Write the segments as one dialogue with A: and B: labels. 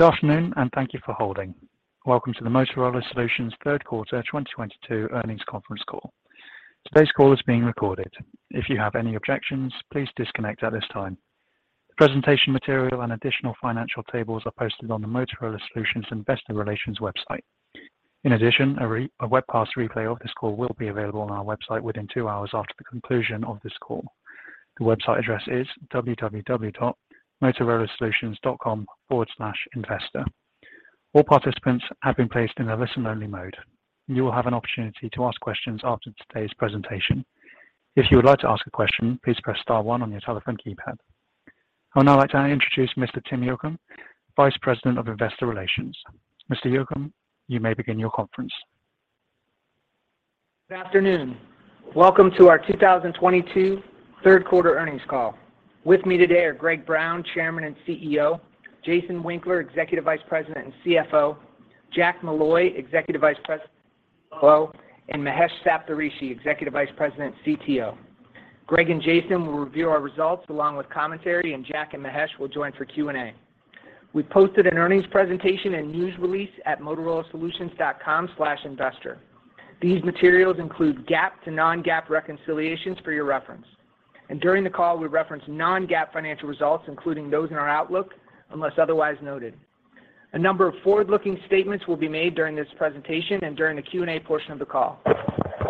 A: Good afternoon and thank you for holding. Welcome to the Motorola Solutions Third Quarter 2022 Earnings Conference Call. Today's call is being recorded. If you have any objections, please disconnect at this time. Presentation material and additional financial tables are posted on the Motorola Solutions investor relations website. In addition, a webcast replay of this call will be available on our website within 2 hours after the conclusion of this call. The website address is www.motorolasolutions.com/investor. All participants have been placed in a listen-only mode. You will have an opportunity to ask questions after today's presentation. If you would like to ask a question, please press star one on your telephone keypad. I would now like to introduce Mr. Tim Yocum, Vice President of Investor Relations. Mr. Yocum, you may begin your conference.
B: Good afternoon. Welcome to our 2022 Third Quarter Earnings Call. With me today are Greg Brown, Chairman and CEO, Jason Winkler, Executive Vice President and CFO, Jack Molloy, Executive Vice President and Chief Operating Officer, and Mahesh Saptharishi, Executive Vice President, CTO. Greg and Jason will review our results along with commentary, and Jack and Mahesh will join for Q&A. We posted an earnings presentation and news release at motorolasolutions.com/investor. These materials include GAAP to non-GAAP reconciliations for your reference. During the call, we reference non-GAAP financial results, including those in our outlook, unless otherwise noted. A number of forward-looking statements will be made during this presentation and during the Q&A portion of the call.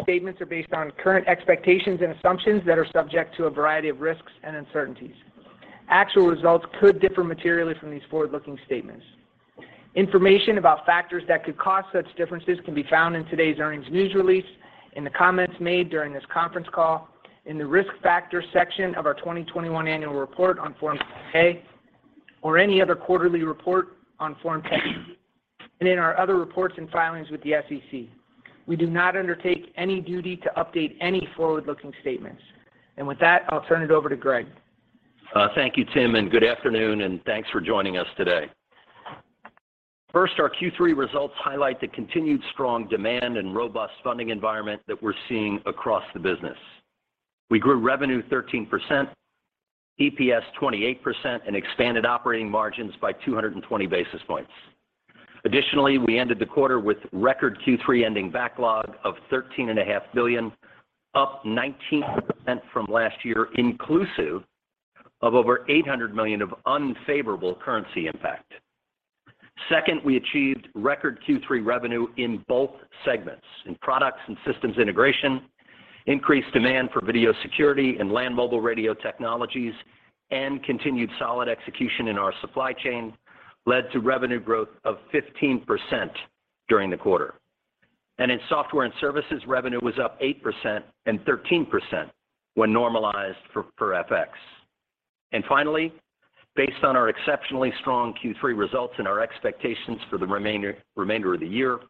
B: Statements are based on current expectations and assumptions that are subject to a variety of risks and uncertainties. Actual results could differ materially from these forward-looking statements. Information about factors that could cause such differences can be found in today's earnings news release, in the comments made during this conference call, in the Risk Factors section of our 2021 Annual Report on Form 10-K or any other quarterly report on Form 10-Q, and in our other reports and filings with the SEC. We do not undertake any duty to update any forward-looking statements. With that, I'll turn it over to Greg.
C: Thank you, Tim, and good afternoon, and thanks for joining us today. First, our Q3 results highlight the continued strong demand and robust funding environment that we're seeing across the business. We grew revenue 13%, EPS 28%, and expanded operating margins by 220 basis points. Additionally, we ended the quarter with record Q3 ending backlog of $13.5 billion, up 19% from last year, inclusive of over $800 million of unfavorable currency impact. Second, we achieved record Q3 revenue in both segments. In Products and Systems Integration, increased demand for video security and Land Mobile Radio technologies, and continued solid execution in our supply chain led to revenue growth of 15% during the quarter. In Software and Services, revenue was up 8% and 13% when normalized for FX. Finally, based on our exceptionally strong Q3 results and our expectations for the remainder of the year,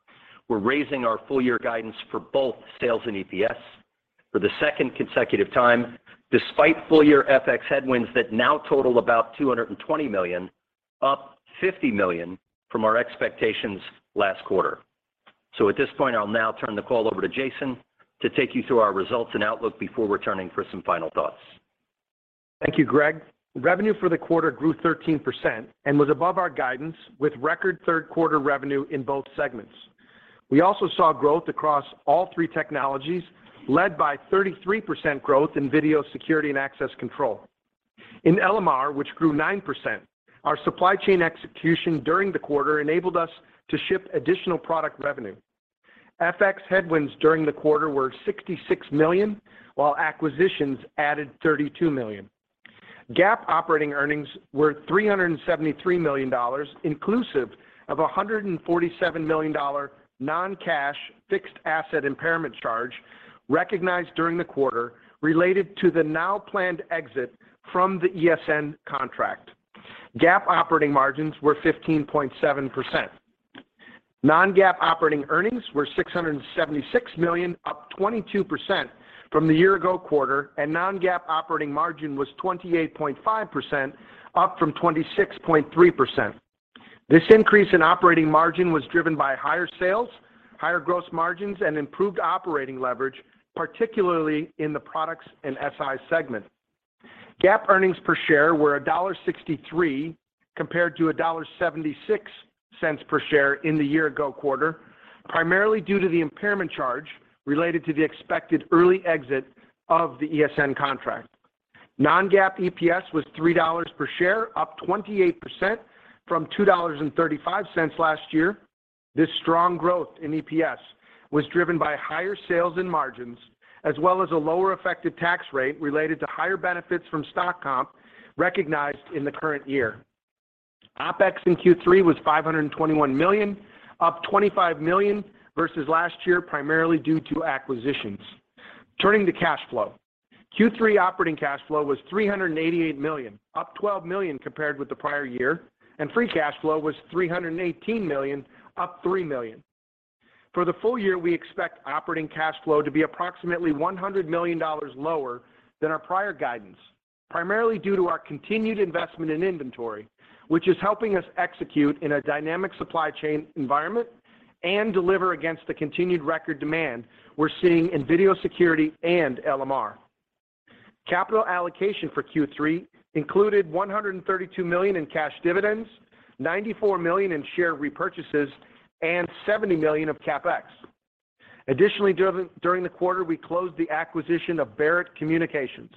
C: we're raising our full year guidance for both sales and EPS for the second consecutive time, despite full-year FX headwinds that now total about $220 million, up $50 million from our expectations last quarter. At this point, I'll now turn the call over to Jason to take you through our results and outlook before returning for some final thoughts.
D: Thank you, Greg. Revenue for the quarter grew 13% and was above our guidance with record third quarter revenue in both segments. We also saw growth across all three technologies, led by 33% growth in Video Security and Access Control. In LMR, which grew 9%, our supply chain execution during the quarter enabled us to ship additional product revenue. FX headwinds during the quarter were $66 million, while acquisitions added $32 million. GAAP operating earnings were $373 million, inclusive of a $147 million non-cash fixed asset impairment charge recognized during the quarter related to the now planned exit from the ESN contract. GAAP operating margins were 15.7%. Non-GAAP operating earnings were $676 million, up 22% from the year-ago quarter, and non-GAAP operating margin was 28.5%, up from 26.3%. This increase in operating margin was driven by higher sales, higher gross margins, and improved operating leverage, particularly in the Products and SI segment. GAAP earnings per share were $1.63 compared to $1.76 per share in the year-ago quarter, primarily due to the impairment charge related to the expected early exit of the ESN contract. Non-GAAP EPS was $3 per share, up 28% from $2.35 last year. This strong growth in EPS was driven by higher sales and margins, as well as a lower effective tax rate related to higher benefits from stock comp recognized in the current year. OpEx in Q3 was $521 million, up $25 million versus last year, primarily due to acquisitions. Turning to cash flow. Q3 operating cash flow was $388 million, up $12 million compared with the prior year, and free cash flow was $318 million, up $3 million. For the full year, we expect operating cash flow to be approximately $100 million lower than our prior guidance, primarily due to our continued investment in inventory, which is helping us execute in a dynamic supply chain environment and deliver against the continued record demand we're seeing in video security and LMR. Capital allocation for Q3 included $132 million in cash dividends, $94 million in share repurchases, and $70 million of CapEx. Additionally, during the quarter, we closed the acquisition of Barrett Communications,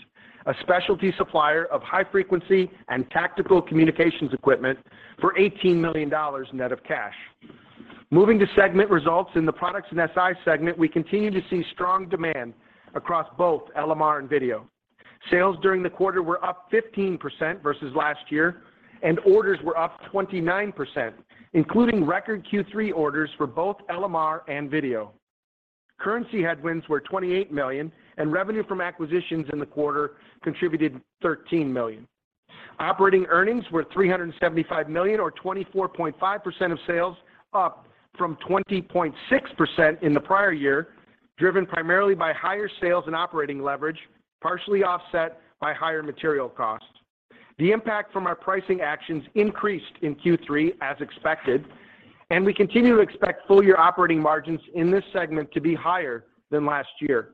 D: a specialty supplier of high frequency and tactical communications equipment for $18 million net of cash. Moving to segment results in the Products and SI segment, we continue to see strong demand across both LMR and video. Sales during the quarter were up 15% versus last year, and orders were up 29%, including record Q3 orders for both LMR and video. Currency headwinds were $28 million, and revenue from acquisitions in the quarter contributed $13 million. Operating earnings were $375 million or 24.5% of sales, up from 20.6% in the prior year, driven primarily by higher sales and operating leverage, partially offset by higher material costs. The impact from our pricing actions increased in Q3 as expected, and we continue to expect full year operating margins in this segment to be higher than last year.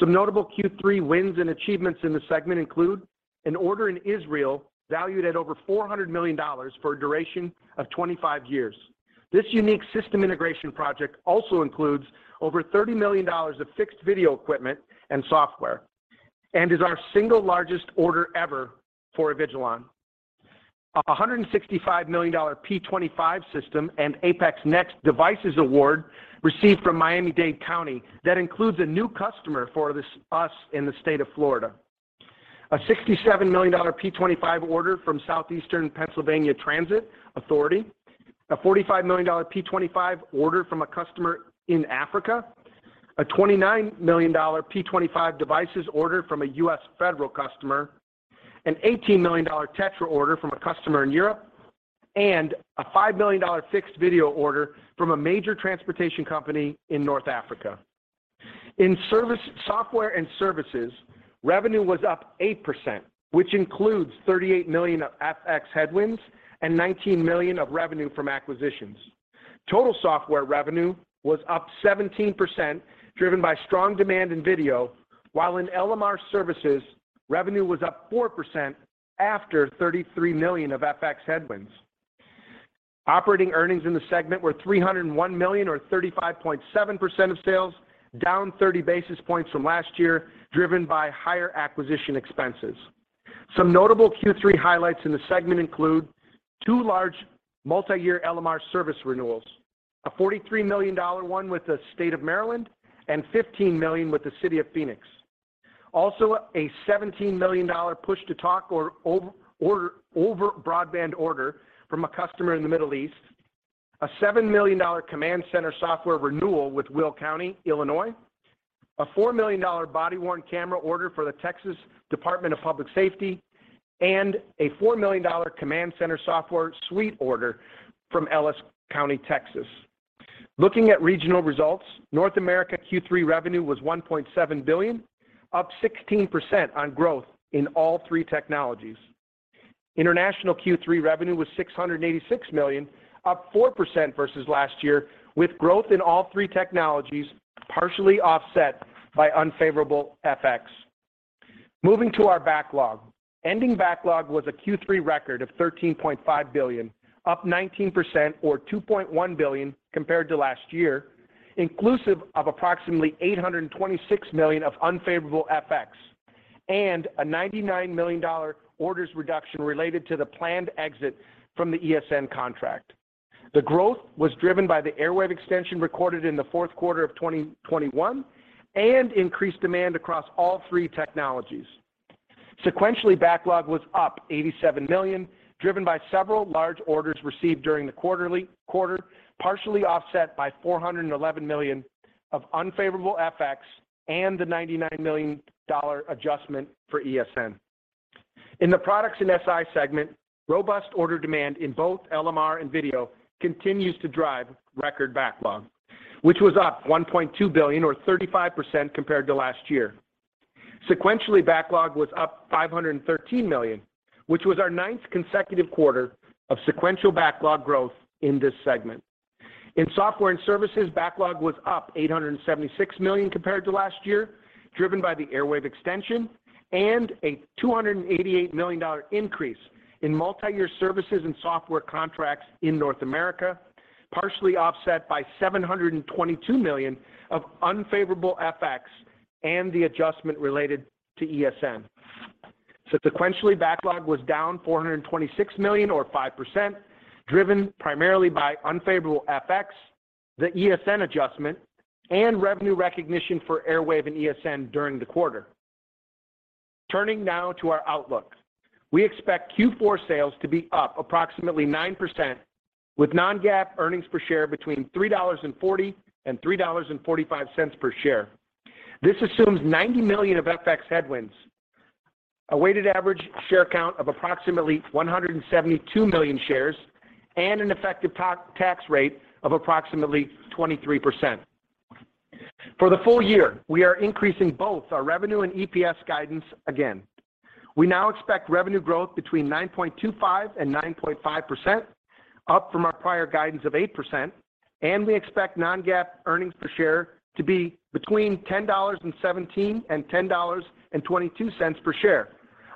D: Some notable Q3 wins and achievements in the segment include an order in Israel valued at over $400 million for a duration of 25 years. This unique system integration project also includes over $30 million of fixed video equipment and software, and is our single largest order ever for Avigilon. A $165 million P25 system and APX NEXT Devices award received from Miami-Dade County that includes a new customer for us in the state of Florida. A $67 million P25 order from Southeastern Pennsylvania Transportation Authority. A $45 million P25 order from a customer in Africa. A $29 million P25 devices order from a U.S. federal customer. An $18 million TETRA order from a customer in Europe. A $5 million fixed video order from a major transportation company in North Africa. In Software and Services, revenue was up 8%, which includes $38 million of FX headwinds and $19 million of revenue from acquisitions. Total software revenue was up 17%, driven by strong demand in video, while in LMR services, revenue was up 4% after $33 million of FX headwinds. Operating earnings in the segment were $301 million or 35.7% of sales, down 30 basis points from last year, driven by higher acquisition expenses. Some notable Q3 highlights in the segment include two large multi-year LMR service renewals, a $43 million one with the State of Maryland and $15 million with the City of Phoenix. Also, a $17 million push to talk or over-broadband order from a customer in the Middle East. A $7 million command center software renewal with Will County, Illinois. A $4 million body-worn camera order for the Texas Department of Public Safety, and a $4 million command center software suite order from Ellis County, Texas. Looking at regional results, North America Q3 revenue was $1.7 billion, up 16% on growth in all three technologies. International Q3 revenue was $686 million, up 4% versus last year, with growth in all three technologies partially offset by unfavorable FX. Moving to our backlog. Ending backlog was a Q3 record of $13.5 billion, up 19% or $2.1 billion compared to last year, inclusive of approximately $826 million of unfavorable FX and a $99 million orders reduction related to the planned exit from the ESN contract. The growth was driven by the Airwave extension recorded in the fourth quarter of 2021 and increased demand across all three technologies. Sequentially, backlog was up $87 million, driven by several large orders received during the quarter, partially offset by $411 million of unfavorable FX and the $99 million adjustment for ESN. In the products and SI segment, robust order demand in both LMR and video continues to drive record backlog, which was up $1.2 billion or 35% compared to last year. Sequentially, backlog was up $513 million, which was our ninth consecutive quarter of sequential backlog growth in this segment. In software and services, backlog was up $876 million compared to last year, driven by the Airwave extension and a $288 million increase in multiyear services and software contracts in North America, partially offset by $722 million of unfavorable FX and the adjustment related to ESN. Sequentially, backlog was down $426 million or 5%, driven primarily by unfavorable FX, the ESN adjustment, and revenue recognition for Airwave and ESN during the quarter. Turning now to our outlook. We expect Q4 sales to be up approximately 9% with non-GAAP earnings per share between $3.40 and $3.45 per share. This assumes $90 million of FX headwinds, a weighted average share count of approximately 172 million shares, and an effective tax rate of approximately 23%. For the full year, we are increasing both our revenue and EPS guidance again. We now expect revenue growth between 9.25% and 9.5%, up from our prior guidance of 8%, and we expect non-GAAP earnings per share to be between $10.17 and $10.22 per share,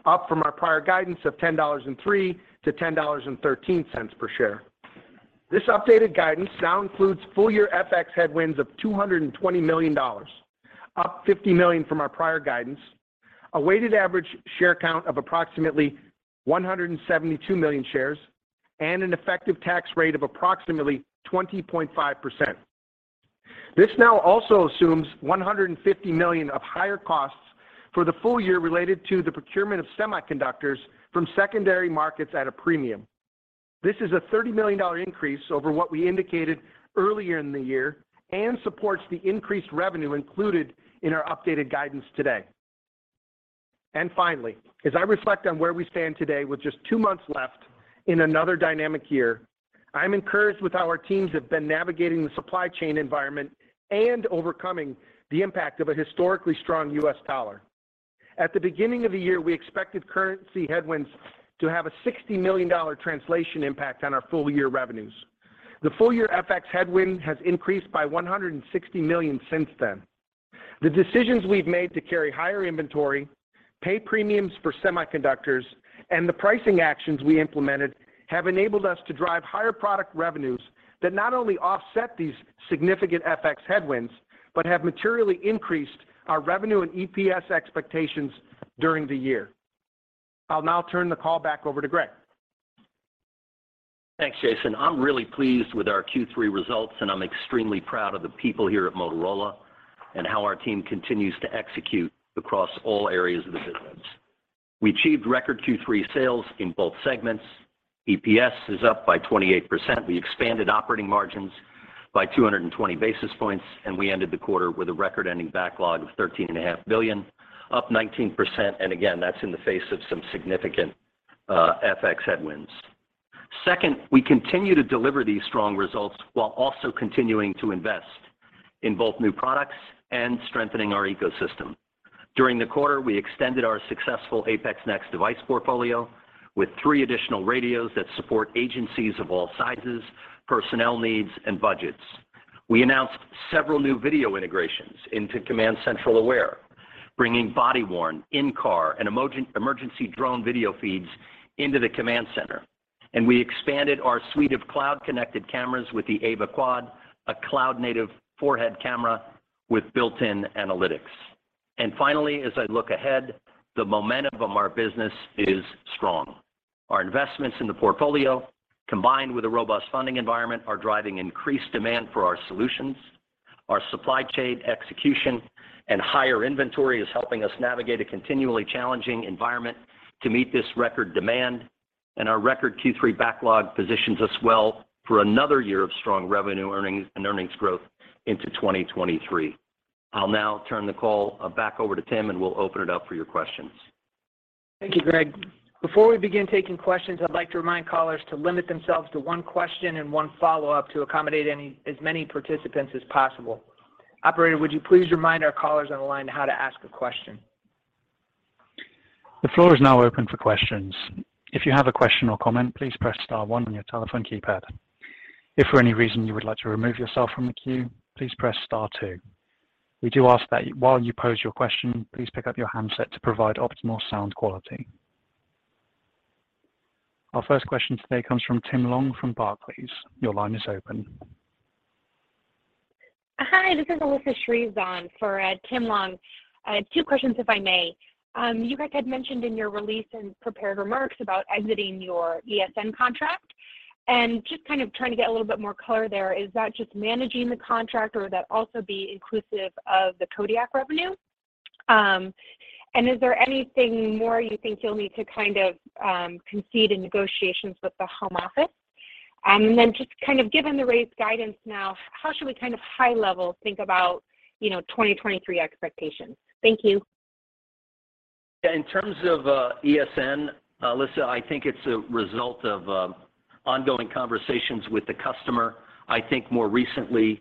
D: up from our prior guidance of $10.03 to $10.13 per share. This updated guidance now includes full-year FX headwinds of $220 million, up $50 million from our prior guidance, a weighted average share count of approximately 172 million shares, and an effective tax rate of approximately 20.5%. This now also assumes $150 million of higher costs for the full year related to the procurement of semiconductors from secondary markets at a premium. This is a $30 million increase over what we indicated earlier in the year and supports the increased revenue included in our updated guidance today. Finally, as I reflect on where we stand today with just two months left in another dynamic year, I'm encouraged with how our teams have been navigating the supply chain environment and overcoming the impact of a historically strong U.S. dollar. At the beginning of the year, we expected currency headwinds to have a $60 million translation impact on our full-year revenues. The full-year FX headwind has increased by $160 million since then. The decisions we've made to carry higher inventory, pay premiums for semiconductors, and the pricing actions we implemented have enabled us to drive higher product revenues that not only offset these significant FX headwinds but have materially increased our revenue and EPS expectations during the year. I'll now turn the call back over to Greg.
C: Thanks, Jason. I'm really pleased with our Q3 results, and I'm extremely proud of the people here at Motorola and how our team continues to execute across all areas of the business. We achieved record Q3 sales in both segments. EPS is up by 28%. We expanded operating margins by 220 basis points, and we ended the quarter with a record-ending backlog of $13.5 billion, up 19%. Again, that's in the face of some significant FX headwinds. Second, we continue to deliver these strong results while also continuing to invest in both new products and strengthening our ecosystem. During the quarter, we extended our successful APX NEXT device portfolio with three additional radios that support agencies of all sizes, personnel needs, and budgets. We announced several new video integrations into CommandCentral Aware, bringing body-worn, in-car, and emergency drone video feeds into the command center. We expanded our suite of cloud-connected cameras with the Avigilon Alta Quad, a cloud-native four-head camera with built-in analytics. Finally, as I look ahead, the momentum of our business is strong. Our investments in the portfolio, combined with a robust funding environment, are driving increased demand for our solutions. Our supply chain execution and higher inventory is helping us navigate a continually challenging environment to meet this record demand, and our record Q3 backlog positions us well for another year of strong revenue earnings and earnings growth into 2023. I'll now turn the call back over to Tim, and we'll open it up for your questions.
B: Thank you, Greg. Before we begin taking questions, I'd like to remind callers to limit themselves to one question and one follow-up to accommodate as many participants as possible. Operator, would you please remind our callers on the line how to ask a question?
A: The floor is now open for questions. If you have a question or comment, please press star one on your telephone keypad. If for any reason you would like to remove yourself from the queue, please press star two. We do ask that while you pose your question, please pick up your handset to provide optimal sound quality. Our first question today comes from Tim Long from Barclays. Your line is open.
E: Hi, this is Alyssa Shreves on for Tim Long. Two questions if I may. You guys had mentioned in your release and prepared remarks about exiting your ESN contract, and just kind of trying to get a little bit more color there, is that just managing the contract or would that also be inclusive of the Kodiak revenue? Is there anything more you think you'll need to kind of concede in negotiations with the Home Office? Just kind of given the raised guidance now, how should we kind of high-level think about, you know, 2023 expectations? Thank you.
C: Yeah. In terms of ESN, Alyssa, I think it's a result of ongoing conversations with the customer. I think more recently,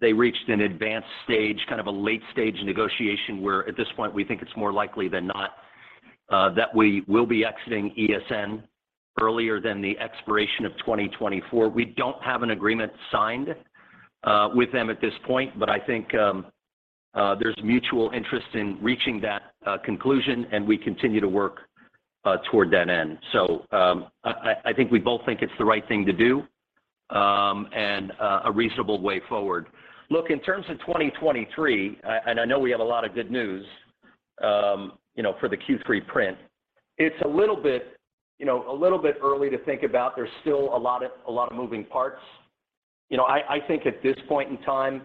C: they reached an advanced stage, kind of a late-stage negotiation, where at this point we think it's more likely than not that we will be exiting ESN earlier than the expiration of 2024. We don't have an agreement signed with them at this point, but I think there's mutual interest in reaching that conclusion, and we continue to work toward that end. I think we both think it's the right thing to do and a reasonable way forward. Look, in terms of 2023, and I know we have a lot of good news, you know, for the Q3 print, it's a little bit, you know, a little bit early to think about. There's still a lot of moving parts. You know, I think at this point in time,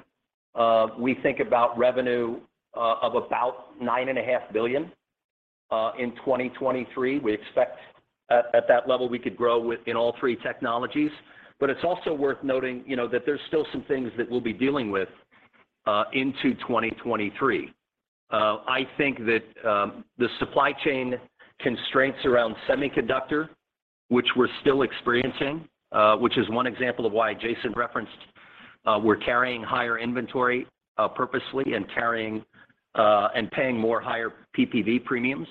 C: we think about revenue of about $9.5 billion in 2023. We expect at that level we could grow within all three technologies. It's also worth noting, you know, that there's still some things that we'll be dealing with into 2023. I think that the supply chain constraints around semiconductors, which we're still experiencing, which is one example of why Jason referenced. We're carrying higher inventory purposely and paying higher PPV premiums.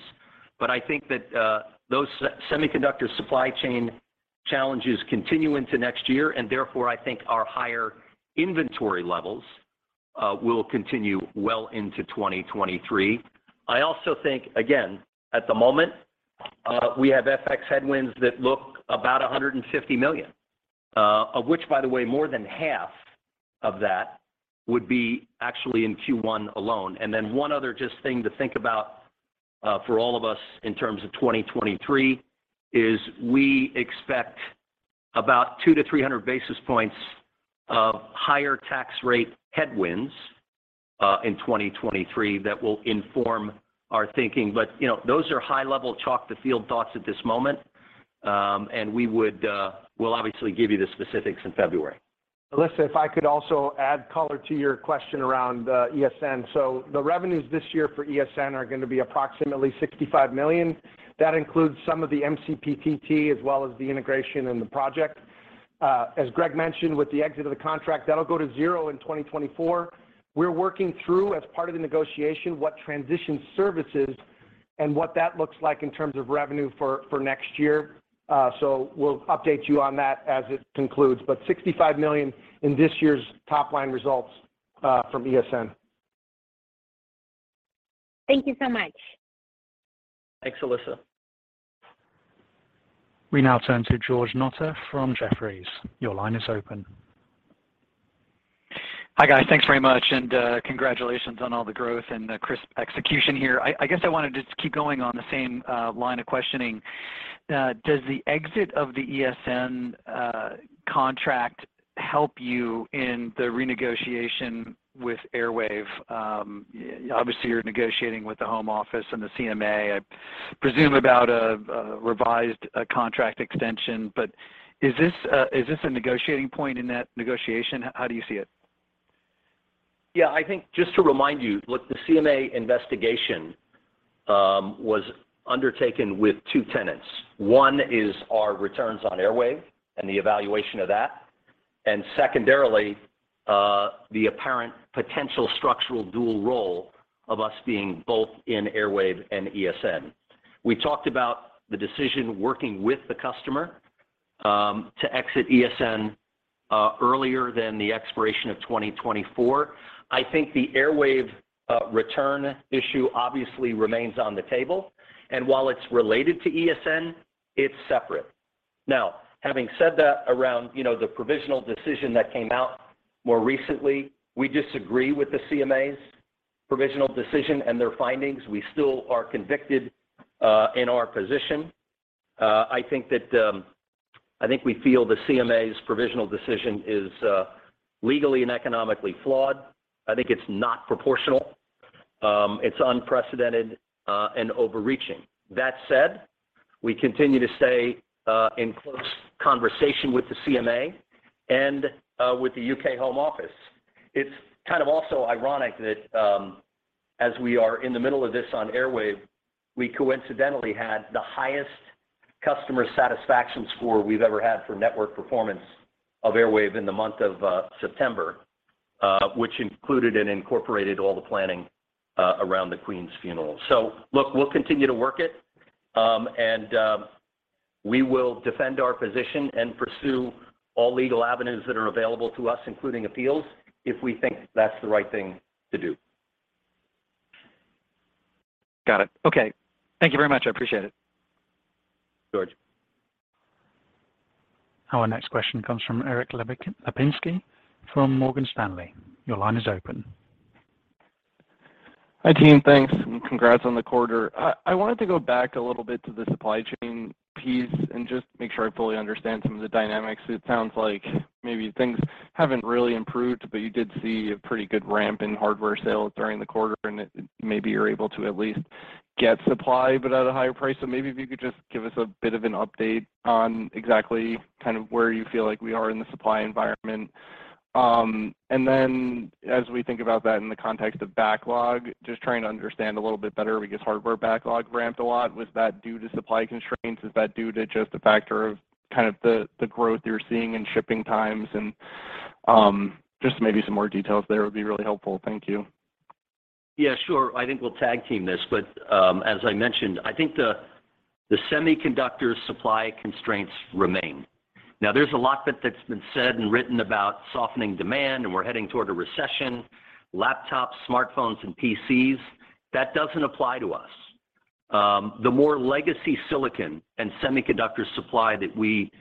C: I think that those semiconductor supply chain challenges continue into next year, and therefore, I think our higher inventory levels will continue well into 2023. I also think, again, at the moment, we have FX headwinds that look about $150 million, of which by the way, more than half of that would be actually in Q1 alone. One other just thing to think about for all of us in terms of 2023 is we expect about 200-300 basis points of higher tax rate headwinds in 2023 that will inform our thinking. You know, those are high-level chalk to field thoughts at this moment. We'll obviously give you the specifics in February.
D: Alyssa, if I could also add color to your question around ESN. The revenues this year for ESN are gonna be approximately $65 million. That includes some of the MCPTT as well as the integration and the project. As Greg mentioned with the exit of the contract, that'll go to zero in 2024. We're working through as part of the negotiation what transition services and what that looks like in terms of revenue for next year. We'll update you on that as it concludes, but $65 million in this year's top line results from ESN.
E: Thank you so much.
C: Thanks, Alyssa.
A: We now turn to George Notter from Jefferies. Your line is open.
F: Hi, guys. Thanks very much, and congratulations on all the growth and the crisp execution here. I guess I wanted to just keep going on the same line of questioning. Does the exit of the ESN contract help you in the renegotiation with Airwave? Obviously you're negotiating with the Home Office and the CMA, I presume about a revised contract extension. Is this a negotiating point in that negotiation? How do you see it?
C: Yeah. I think just to remind you, look, the CMA investigation was undertaken with two tenets. One is our returns on Airwave and the evaluation of that, and secondarily, the apparent potential structural dual role of us being both in Airwave and ESN. We talked about the decision working with the customer to exit ESN earlier than the expiration of 2024. I think the Airwave return issue obviously remains on the table, and while it's related to ESN, it's separate. Now, having said that around, you know, the provisional decision that came out more recently, we disagree with the CMA's provisional decision and their findings. We still are convicted in our position. I think we feel the CMA's provisional decision is legally and economically flawed. I think it's not proportional. It's unprecedented and overreaching. That said, we continue to stay in close conversation with the CMA and with the U.K. Home Office. It's kind of also ironic that as we are in the middle of this on Airwave, we coincidentally had the highest customer satisfaction score we've ever had for network performance of Airwave in the month of September, which included and incorporated all the planning around the Queen's funeral. Look, we'll continue to work it and we will defend our position and pursue all legal avenues that are available to us, including appeals, if we think that's the right thing to do.
F: Got it. Okay. Thank you very much. I appreciate it.
C: George.
A: Our next question comes from Erik Lapinski from Morgan Stanley. Your line is open.
G: Hi, team. Thanks, and congrats on the quarter. I wanted to go back a little bit to the supply chain piece and just make sure I fully understand some of the dynamics. It sounds like maybe things haven't really improved, but you did see a pretty good ramp in hardware sales during the quarter, and maybe you're able to at least get supply, but at a higher price. Maybe if you could just give us a bit of an update on exactly kind of where you feel like we are in the supply environment. As we think about that in the context of backlog, just trying to understand a little bit better because hardware backlog ramped a lot. Was that due to supply constraints? Is that due to just a factor of kind of the growth you're seeing in shipping times and just maybe some more details there would be really helpful? Thank you.
C: Yeah, sure. I think we'll tag team this. As I mentioned, I think the semiconductor supply constraints remain. Now, there's a lot that's been said and written about softening demand, and we're heading toward a recession. Laptops, smartphones, and PCs, that doesn't apply to us. The more legacy silicon and semiconductor supply that we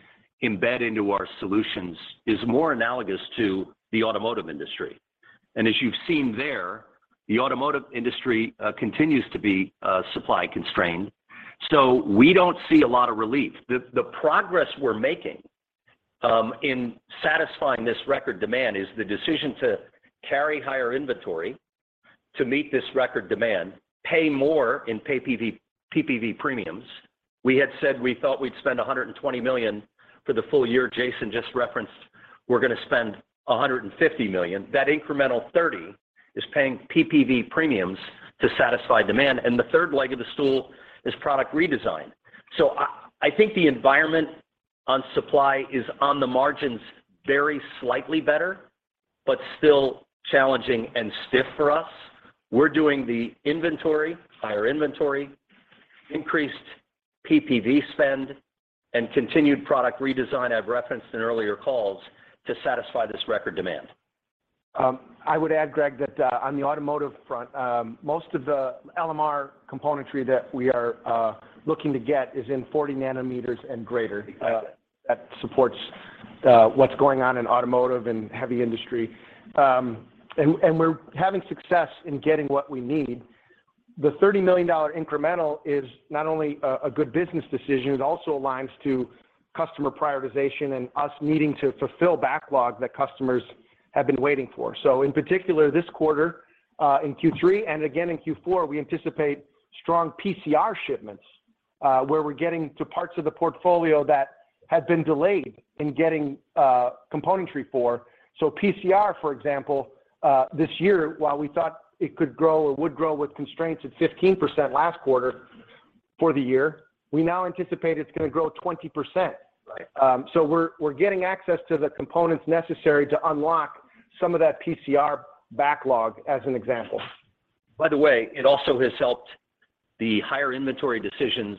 C: embed into our solutions is more analogous to the automotive industry. As you've seen there, the automotive industry continues to be supply constrained. We don't see a lot of relief. The progress we're making in satisfying this record demand is the decision to carry higher inventory to meet this record demand, pay more in PPV premiums. We had said we thought we'd spend $120 million for the full year. Jason just referenced we're gonna spend $150 million. That incremental $30 is paying PPV premiums to satisfy demand. The third leg of the stool is product redesign. I think the environment on supply is on the margins very slightly better, but still challenging and stiff for us. We're doing the inventory, higher inventory, increased PPV spend and continued product redesign I've referenced in earlier calls to satisfy this record demand.
D: I would add, Greg, that on the automotive front, most of the LMR componentry that we are looking to get is in 40 nanometers and greater.
C: Got it.
D: That supports what's going on in automotive and heavy industry. We're having success in getting what we need. The $30 million incremental is not only a good business decision, it also aligns to customer prioritization and us needing to fulfill backlog that customers have been waiting for. In particular, this quarter, in Q3 and again in Q4, we anticipate strong PCR shipments, where we're getting to parts of the portfolio that have been delayed in getting componentry for. PCR, for example, this year, while we thought it could grow or would grow with constraints at 15% last quarter for the year, we now anticipate it's gonna grow 20%.
C: Right.
D: We're getting access to the components necessary to unlock some of that PCR backlog as an example.
C: By the way, it also has helped the higher inventory decisions,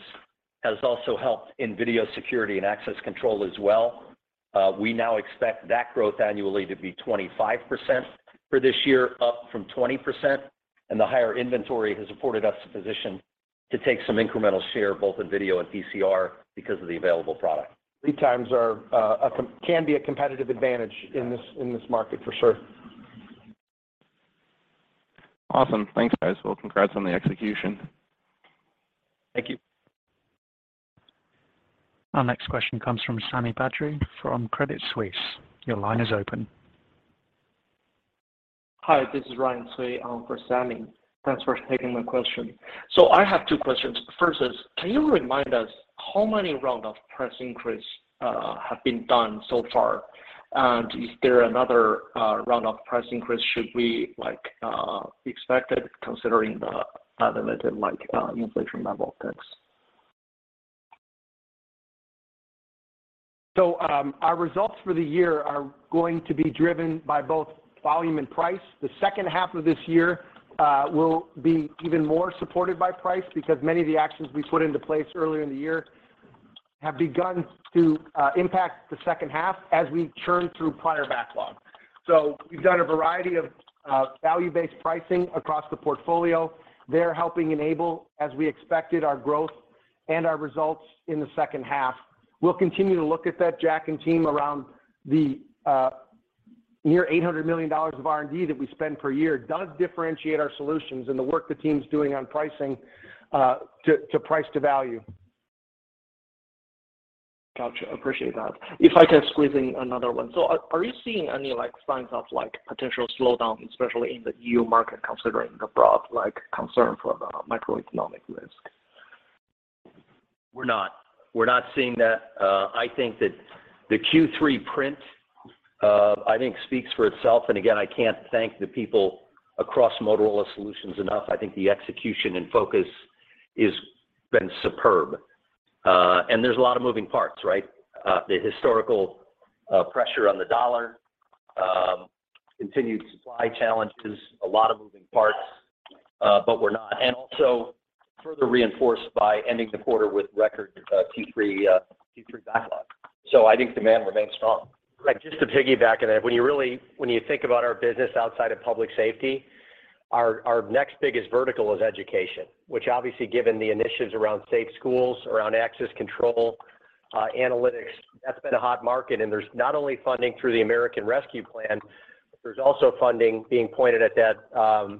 C: has also helped in Video Security and Access Control as well. We now expect that growth annually to be 25% for this year, up from 20%, and the higher inventory has afforded us the position to take some incremental share both in video and PCR because of the available product.
D: Lead times are a competitive advantage in this market for sure.
G: Awesome. Thanks, guys. Well, congrats on the execution.
D: Thank you.
A: Our next question comes from Sami Badri from Credit Suisse. Your line is open.
H: Hi, this is Ryan Cui for Sami Badri. Thanks for taking my question. I have two questions. First is, can you remind us how many round of price increase have been done so far? Is there another round of price increase should we like expected considering the unlimited like inflation level trends?
D: Our results for the year are going to be driven by both volume and price. The second half of this year will be even more supported by price because many of the actions we put into place earlier in the year have begun to impact the second half as we churn through prior backlog. We've done a variety of value-based pricing across the portfolio. They're helping enable, as we expected, our growth and our results in the second half. We'll continue to look at that, Jack and team, around the near $800 million of R&D that we spend per year. It does differentiate our solutions and the work the team's doing on pricing to price to value.
H: Got you. Appreciate that. If I can squeeze in another one. Are you seeing any like signs of like potential slowdown, especially in the EU market considering the broad like concern for the macroeconomic risk?
C: We're not seeing that. I think the Q3 print speaks for itself. Again, I can't thank the people across Motorola Solutions enough. I think the execution and focus is been superb. There's a lot of moving parts, right? The historical pressure on the dollar, continued supply challenges, a lot of moving parts, but we're not. Also further reinforced by ending the quarter with record Q3 backlog. I think demand remains strong.
D: Greg, just to piggyback on that. When you think about our business outside of public safety, our next biggest vertical is education, which obviously given the initiatives around safe schools, around access control, analytics, that's been a hot market. There's not only funding through the American Rescue Plan, but there's also funding being pointed at that,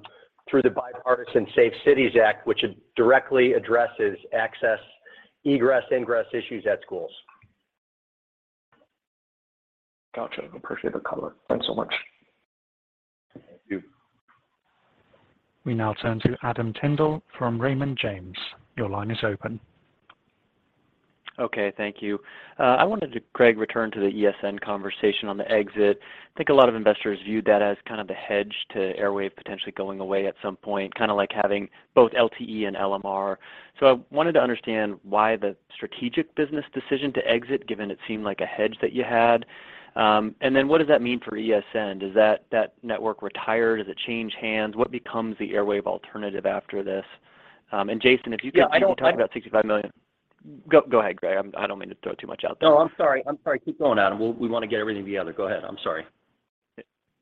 D: through the Bipartisan Safer Communities Act, which directly addresses access, egress, ingress issues at schools.
H: Got you. I appreciate the color. Thanks so much.
D: Thank you.
A: We now turn to Adam Tindle from Raymond James. Your line is open.
I: Okay. Thank you. I wanted to, Greg, return to the ESN conversation on the exit. I think a lot of investors viewed that as kind of the hedge to Airwave potentially going away at some point, kinda like having both LTE and LMR. I wanted to understand why the strategic business decision to exit, given it seemed like a hedge that you had. What does that mean for ESN? Does that network retired? Does it change hands? What becomes the Airwave alternative after this? Jason, if you could-
C: Yeah, I know.
I: Talk about $65 million. Go ahead, Greg. I don't mean to throw too much out there.
D: No, I'm sorry. Keep going, Adam. We wanna get everything together. Go ahead. I'm sorry.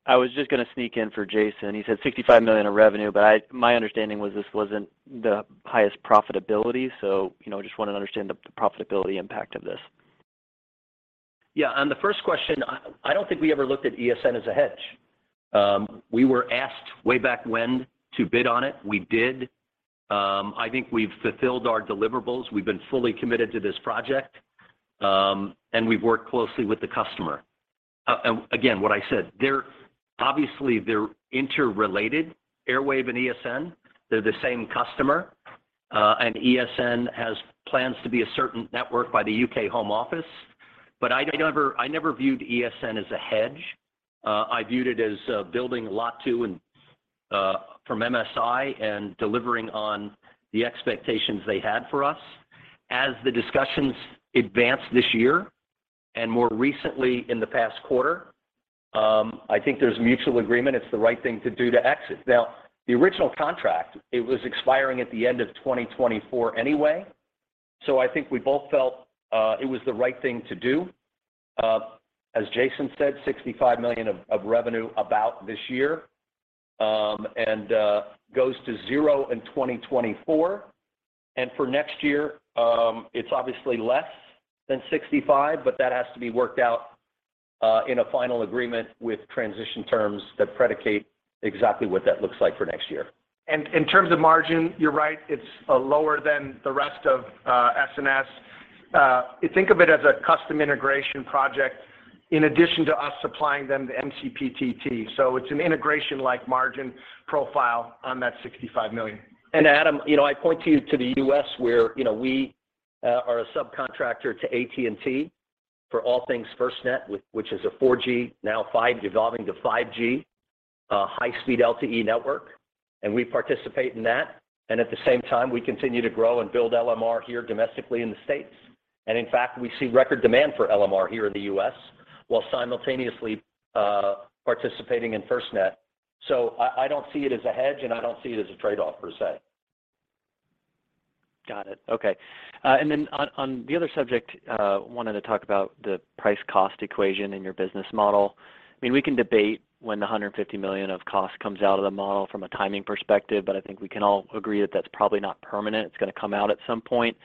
I: I was just gonna sneak in for Jason. He said $65 million of revenue, but my understanding was this wasn't the highest profitability. You know, just wanted to understand the profitability impact of this.
C: Yeah. On the first question, I don't think we ever looked at ESN as a hedge. We were asked way back when to bid on it. We did. I think we've fulfilled our deliverables. We've been fully committed to this project, and we've worked closely with the customer. Again, what I said, they're obviously interrelated, Airwave and ESN. They're the same customer, and ESN has plans to be a certain network by the UK Home Office. I never viewed ESN as a hedge. I viewed it as building a lot to and from MSI and delivering on the expectations they had for us. As the discussions advanced this year and more recently in the past quarter, I think there's mutual agreement it's the right thing to do to exit. Now, the original contract, it was expiring at the end of 2024 anyway, so I think we both felt it was the right thing to do. As Jason said, $65 million of revenue about this year, and goes to zero in 2024. For next year, it's obviously less than 65, but that has to be worked out in a final agreement with transition terms that predicate exactly what that looks like for next year.
D: In terms of margin, you're right, it's lower than the rest of SNS. Think of it as a custom integration project in addition to us supplying them the MCPTT. It's an integration like margin profile on that $65 million.
C: Adam, you know, I point to you to the US where, you know, we are a subcontractor to AT&T for all things FirstNet which is a 4G, now 5G, evolving to 5G, high-speed LTE network, and we participate in that. At the same time, we continue to grow and build LMR here domestically in the States. In fact, we see record demand for LMR here in the US while simultaneously participating in FirstNet. I don't see it as a hedge, and I don't see it as a trade-off per se.
I: Got it. Okay, and then on the other subject, wanted to talk about the price cost equation in your business model. I mean, we can debate when the $150 million of cost comes out of the model from a timing perspective, but I think we can all agree that that's probably not permanent. It's gonna come out at some point.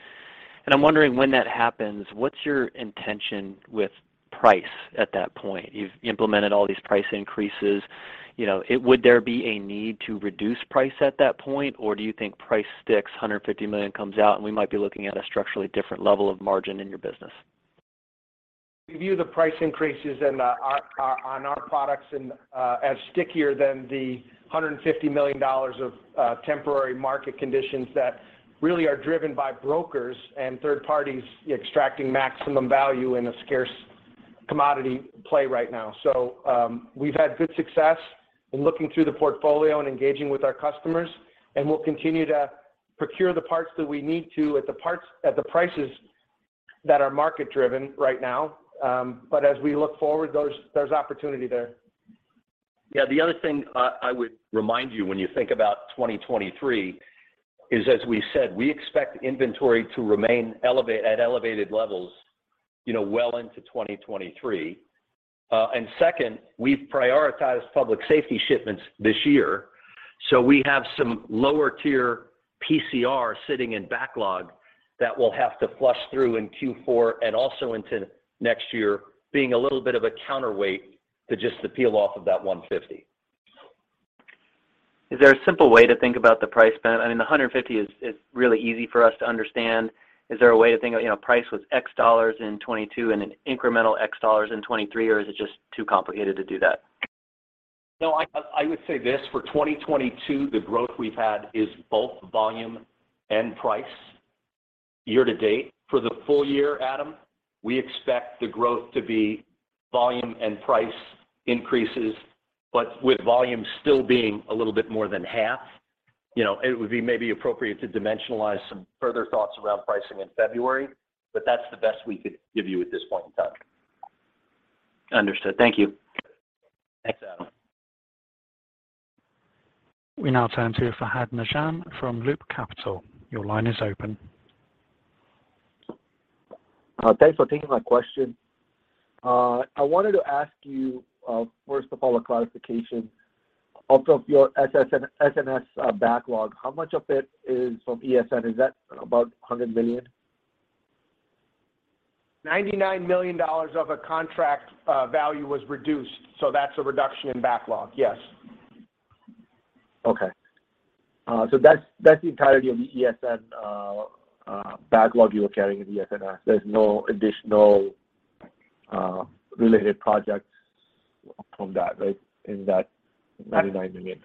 I: I'm wondering when that happens, what's your intention with price at that point? You've implemented all these price increases. You know, it would there be a need to reduce price at that point, or do you think price sticks, $150 million comes out, and we might be looking at a structurally different level of margin in your business?
D: We view the price increases on our products as stickier than the $150 million of temporary market conditions that really are driven by brokers and third parties extracting maximum value in a scarce commodity play right now. We've had good success in looking through the portfolio and engaging with our customers, and we'll continue to procure the parts that we need to at the prices that are market-driven right now. As we look forward, there's opportunity there.
C: Yeah. The other thing I would remind you when you think about 2023 is, as we said, we expect inventory to remain at elevated levels, you know, well into 2023. Second, we've prioritized public safety shipments this year, so we have some lower tier PCR sitting in backlog that we'll have to flush through in Q4 and also into next year, being a little bit of a counterweight to just the peel off of that $150.
I: Is there a simple way to think about the price, Ben? I mean, the $150 is really easy for us to understand. Is there a way to think of, you know, price was $X in 2022 and an incremental $X in 2023, or is it just too complicated to do that?
C: No, I would say this. For 2022, the growth we've had is both volume and price year to date. For the full year, Adam, we expect the growth to be volume and price increases, but with volume still being a little bit more than half. You know, it would be maybe appropriate to dimensionalize some further thoughts around pricing in February, but that's the best we could give you at this point in time.
I: Understood. Thank you.
C: Thanks, Adam.
A: We now turn to Fahad Najam from Loop Capital. Your line is open.
J: Thanks for taking my question. I wanted to ask you, first of all, a clarification of your S&S backlog. How much of it is from ESN? Is that about $100 million?
D: $99 million of a contract value was reduced, so that's a reduction in backlog, yes.
J: Okay. That's the entirety of the ESN backlog you are carrying in the S&S. There's no additional related projects from that, right, in that $99 million?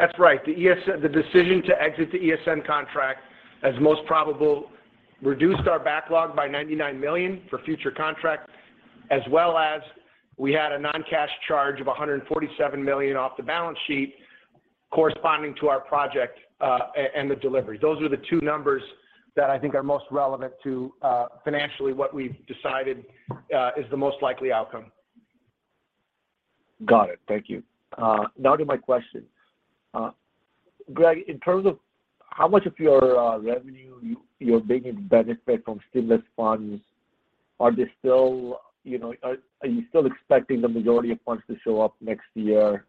D: That's right. The decision to exit the ESN contract as most probable reduced our backlog by $99 million for future contracts, as well as we had a non-cash charge of $147 million off the balance sheet corresponding to our project, and the delivery. Those are the two numbers that I think are most relevant to financially what we've decided is the most likely outcome.
J: Got it. Thank you. Now to my question. Greg, in terms of how much of your revenue you're benefiting from stimulus funds, are you still, you know, expecting the majority of funds to show up next year?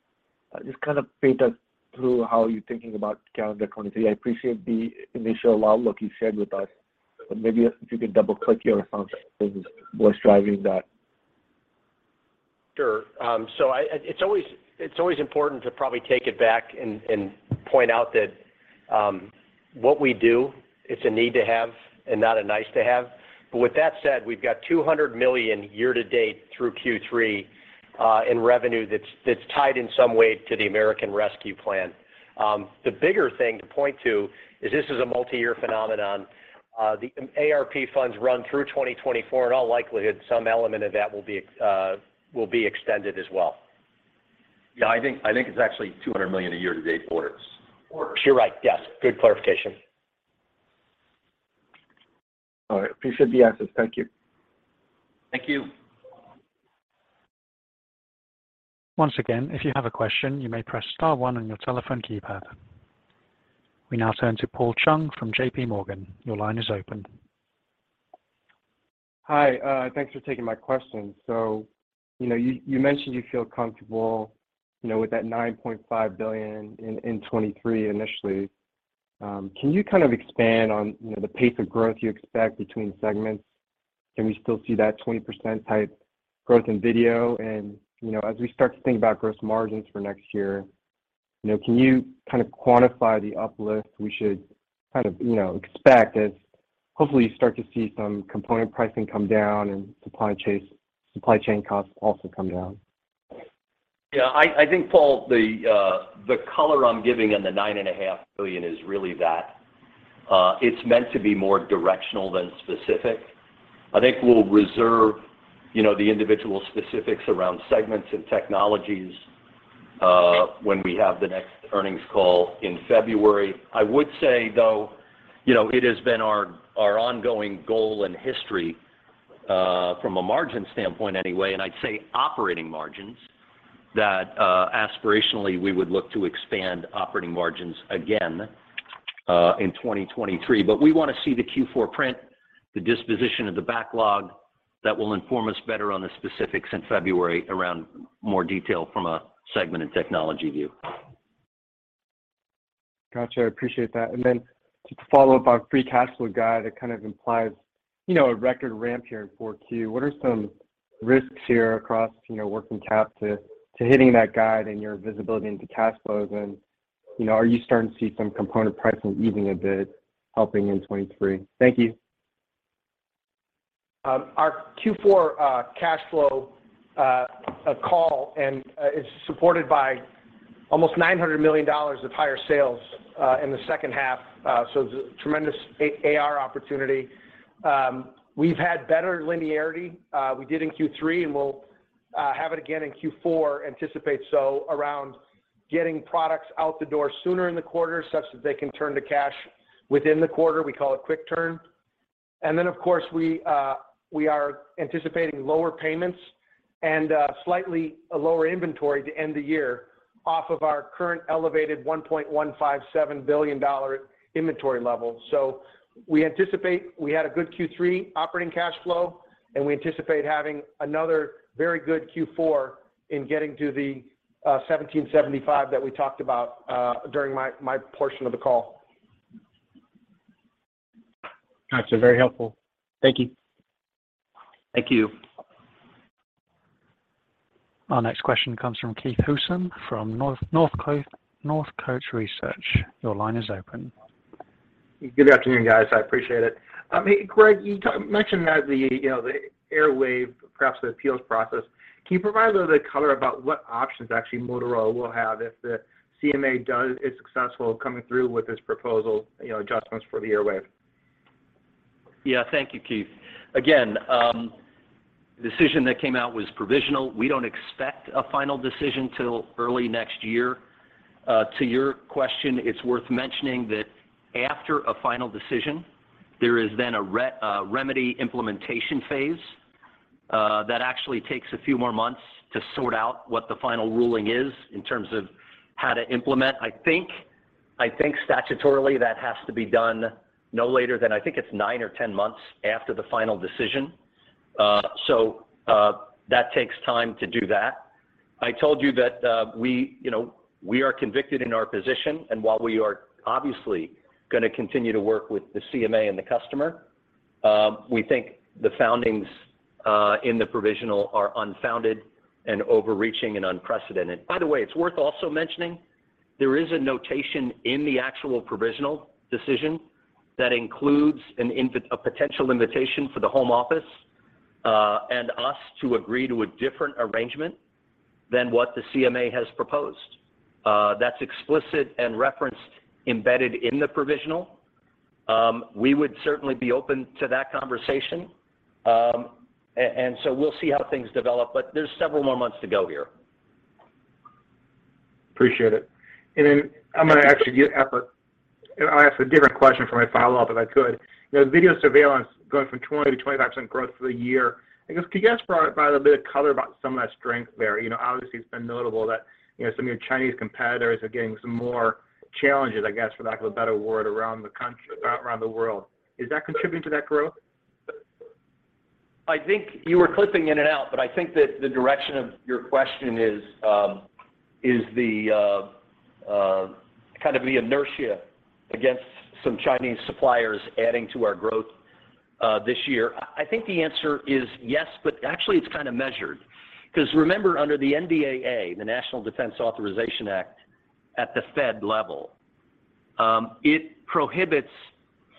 J: Just kind of walk us through how you're thinking about calendar 2023. I appreciate the initial outlook you shared with us, but maybe if you could double-click your thoughts on what's driving that.
C: Sure. It's always important to probably take it back and point out that what we do, it's a need to have and not a nice to have. With that said, we've got $200 million year to date through Q3 in revenue that's tied in some way to the American Rescue Plan. The bigger thing to point to is this is a multi-year phenomenon. The ARP funds run through 2024. In all likelihood, some element of that will be extended as well. Yeah, I think it's actually $200 million a year to date orders.
J: Orders. You're right, yes. Good clarification.
K: All right. Appreciate the answers. Thank you.
D: Thank you.
A: Once again, if you have a question, you may press star one on your telephone keypad. We now turn to Paul Chung from JP Morgan. Your line is open.
L: Hi, thanks for taking my question. You know, you mentioned you feel comfortable, you know, with that $9.5 billion in 2023 initially. Can you kind of expand on, you know, the pace of growth you expect between segments? Can we still see that 20% type growth in video? And, you know, as we start to think about gross margins for next year, you know, can you kind of quantify the uplift we should kind of, you know, expect as, hopefully you start to see some component pricing come down and supply chain costs also come down?
C: Yeah, I think, Paul, the color I'm giving on the $9.5 billion is really that. It's meant to be more directional than specific. I think we'll reserve, you know, the individual specifics around segments and technologies when we have the next earnings call in February. I would say, though, you know, it has been our ongoing goal and history from a margin standpoint anyway, and I'd say operating margins that aspirationally, we would look to expand operating margins again in 2023. We wanna see the Q4 print, the disposition of the backlog that will inform us better on the specifics in February around more detail from a segment and technology view.
L: Gotcha. I appreciate that. Then just to follow up on free cash flow guide, it kind of implies, you know, a record ramp here in Q4. What are some risks here across, you know, working cap to hitting that guide and your visibility into cash flows? You know, are you starting to see some component pricing easing a bit, helping in 2023? Thank you.
D: Our Q4 cash flow is supported by almost $900 million of higher sales in the second half. Tremendous AR opportunity. We've had better linearity than we did in Q3, and we'll have it again in Q4. We anticipate getting products out the door sooner in the quarter, such that they can turn to cash within the quarter. We call it quick turn. Of course, we are anticipating lower payments and slightly lower inventory to end the year off of our current elevated $1.157 billion inventory level. We had a good Q3 operating cash flow, and we anticipate having another very good Q4 getting to the $1,775 million that we talked about during my portion of the call.
L: Gotcha. Very helpful. Thank you.
D: Thank you.
A: Our next question comes from Keith Housum from Northcoast Research. Your line is open.
K: Good afternoon, guys. I appreciate it. I mean, Greg, you mentioned that the, you know, the Airwave, perhaps the appeals process. Can you provide a little bit of color about what options actually Motorola will have if the CMA is successful coming through with this proposal, you know, adjustments for the Airwave?
C: Yeah. Thank you, Keith. Again, the decision that came out was provisional. We don't expect a final decision till early next year. To your question, it's worth mentioning that after a final decision, there is then a remedy implementation phase that actually takes a few more months to sort out what the final ruling is in terms of how to implement. I think statutorily, that has to be done no later than, I think it's nine or 10 months after the final decision. So, that takes time to do that. I told you that, you know, we are confident in our position, and while we are obviously gonna continue to work with the CMA and the customer, we think the findings in the provisional are unfounded and overreaching and unprecedented. By the way, it's worth also mentioning there is a notation in the actual provisional decision that includes a potential invitation for the Home Office and us to agree to a different arrangement than what the CMA has proposed. That's explicit and referenced embedded in the provisional. We would certainly be open to that conversation. We'll see how things develop, but there's several more months to go here.
K: Appreciate it. I'm gonna ask you a different question for my follow-up, if I could. You know, video surveillance going from 20%-25% growth for the year. I guess, could you guys provide a bit of color about some of that strength there? You know, obviously, it's been notable that, you know, some of your Chinese competitors are getting some more challenges, I guess, for lack of a better word, around the country, around the world. Is that contributing to that growth?
C: I think you were clipping in and out, but I think that the direction of your question is the kind of inertia against some Chinese suppliers adding to our growth this year. I think the answer is yes, but actually, it's kinda measured. 'Cause remember, under the NDAA, the National Defense Authorization Act, at the federal level, it prohibits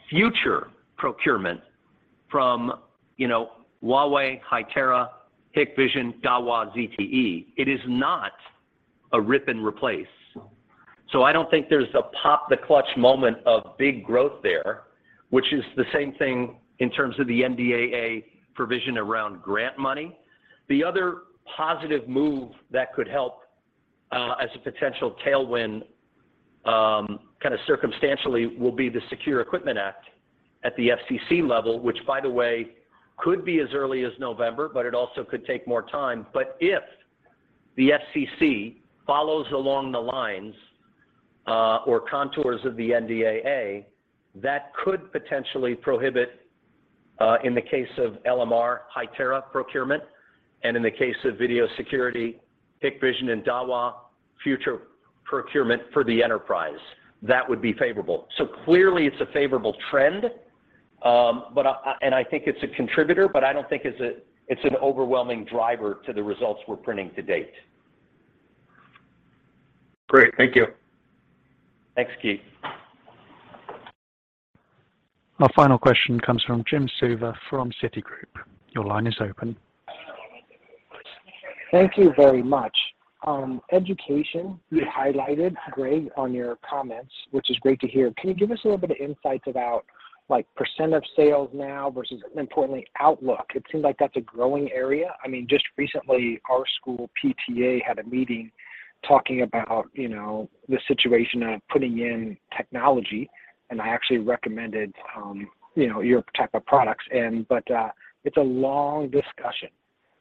C: future procurement from, you know, Huawei, Hytera, Hikvision, Dahua, ZTE. It is not a rip and replace. I don't think there's a pop the clutch moment of big growth there, which is the same thing in terms of the NDAA provision around grant money. The other positive move that could help as a potential tailwind, kinda circumstantially will be the Secure Equipment Act at the FCC level, which by the way could be as early as November, but it also could take more time. If the FCC follows along the lines or contours of the NDAA, that could potentially prohibit in the case of LMR, Hytera procurement, and in the case of video security, Hikvision and Dahua future procurement for the enterprise. That would be favorable. Clearly it's a favorable trend, but I think it's a contributor, but I don't think it's an overwhelming driver to the results we're printing to date.
K: Great. Thank you.
C: Thanks, Keith.
A: Our final question comes from Jim Suva from Citigroup. Your line is open.
M: Thank you very much. Education, you highlighted great on your comments, which is great to hear. Can you give us a little bit of insights about like percent of sales now versus importantly outlook? It seems like that's a growing area. I mean, just recently, our school PTA had a meeting talking about, you know, the situation of putting in technology, and I actually recommended, you know, your type of products and but, it's a long discussion.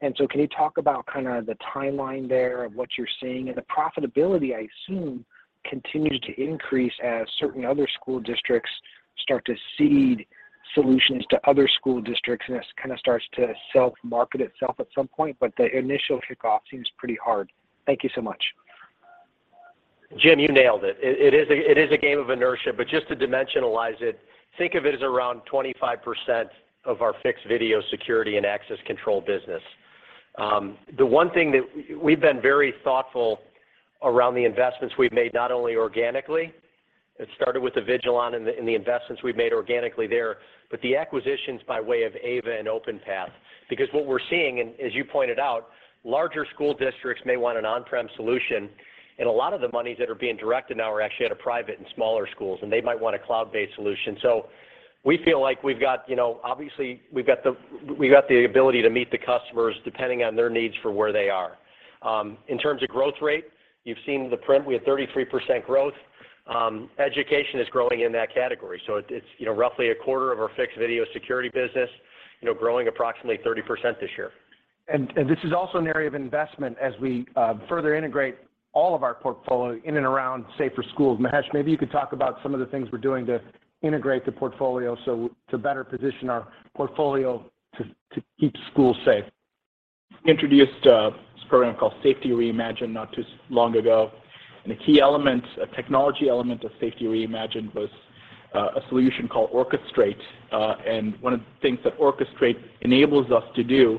M: Can you talk about kinda the timeline there of what you're seeing? The profitability, I assume, continues to increase as certain other school districts start to seed solutions to other school districts, and it kinda starts to self-market itself at some point. The initial kickoff seems pretty hard. Thank you so much.
C: Jim, you nailed it. It is a game of inertia, but just to dimensionalize it, think of it as around 25% of our fixed video security and access control business. The one thing that we've been very thoughtful around the investments we've made, not only organically. It started with the Avigilon and the investments we've made organically there, but the acquisitions by way of Ava and Openpath. Because what we're seeing, and as you pointed out, larger school districts may want an on-prem solution, and a lot of the monies that are being directed now are actually at private and smaller schools, and they might want a cloud-based solution. We feel like we've got, you know, obviously we've got the ability to meet the customers depending on their needs for where they are. In terms of growth rate, you've seen the print. We had 33% growth. Education is growing in that category. It's you know, roughly a quarter of our fixed video security business, you know, growing approximately 30% this year.
D: This is also an area of investment as we further integrate all of our portfolio in and around safer schools. Mahesh, maybe you could talk about some of the things we're doing to integrate the portfolio so to better position our portfolio to keep schools safe.
N: Introduced this program called Safety Reimagined not too long ago. A key element, a technology element of Safety Reimagined was a solution called Orchestrate. One of the things that Orchestrate enables us to do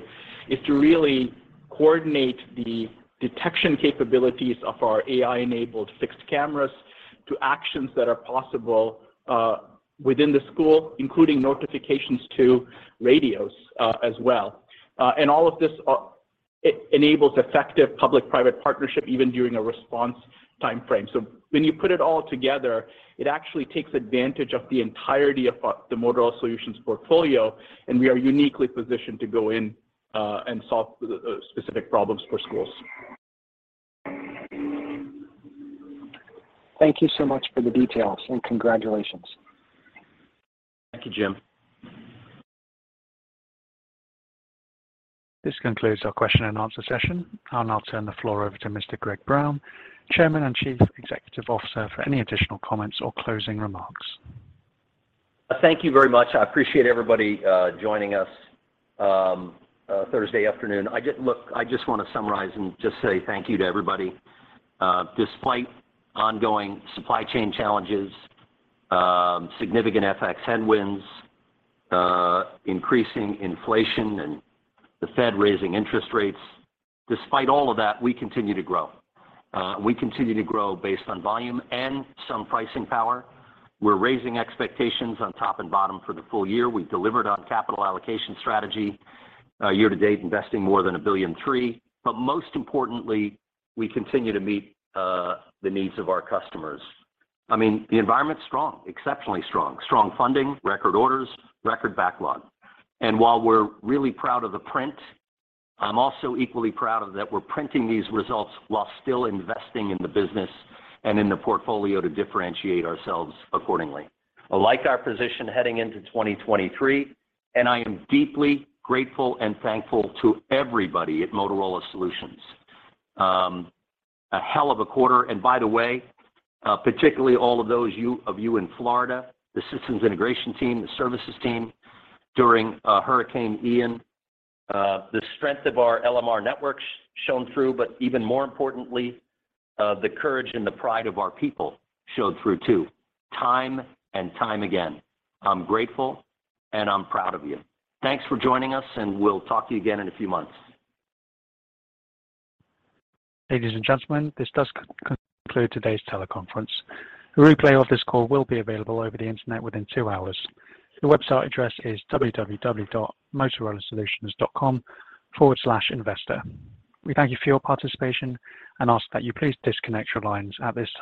N: is to really coordinate the detection capabilities of our AI-enabled fixed cameras to actions that are possible within the school, including notifications to radios as well. All of this, it enables effective public-private partnership even during a response timeframe. When you put it all together, it actually takes advantage of the entirety of the Motorola Solutions portfolio, and we are uniquely positioned to go in and solve the specific problems for schools.
M: Thank you so much for the details, and congratulations.
C: Thank you, Jim.
A: This concludes our question and answer session. I'll now turn the floor over to Mr. Greg Brown, Chairman and Chief Executive Officer, for any additional comments or closing remarks.
C: Thank you very much. I appreciate everybody joining us Thursday afternoon. Look, I just want to summarize and just say thank you to everybody. Despite ongoing supply chain challenges, significant FX headwinds, increasing inflation, and the Fed raising interest rates, despite all of that, we continue to grow. We continue to grow based on volume and some pricing power. We're raising expectations on top and bottom for the full year. We've delivered on capital allocation strategy year to date, investing more than $1.003 billion. Most importantly, we continue to meet the needs of our customers. I mean, the environment's strong, exceptionally strong. Strong funding, record orders, record backlog. While we're really proud of the print, I'm also equally proud of that we're printing these results while still investing in the business and in the portfolio to differentiate ourselves accordingly. I like our position heading into 2023, and I am deeply grateful and thankful to everybody at Motorola Solutions. A hell of a quarter. By the way, particularly all of you in Florida, the systems integration team, the services team during Hurricane Ian, the strength of our LMR networks shone through, but even more importantly, the courage and the pride of our people showed through too, time and time again. I'm grateful, and I'm proud of you. Thanks for joining us, and we'll talk to you again in a few months.
A: Ladies and gentlemen, this does conclude today's teleconference. A replay of this call will be available over the Internet within two hours. The website address is motorolasolutions.com/investor. We thank you for your participation and ask that you please disconnect your lines at this time.